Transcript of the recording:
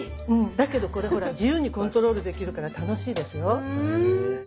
だけどこれほら自由にコントロールできるから楽しいですよ。へ。